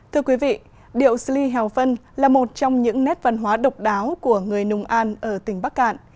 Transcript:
thưa quý vị điệu sli hào phân là một trong những nét văn hóa độc đáo của người nùng an ở tỉnh bắc cạn